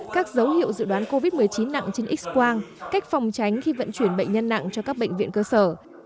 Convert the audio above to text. các dấu hiệu dự đoán covid một mươi chín nặng trên x quang cách phòng tránh khi vận chuyển bệnh nhân nặng cho các bệnh viện cơ sở